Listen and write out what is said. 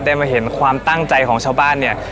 มาเห็นความตั้งใจของชาวบ้านเนี่ย